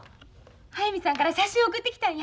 速水さんから写真送ってきたんや。